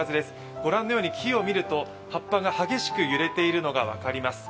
御覧のように木を見ると葉っぱが激しく揺れているのが分かります。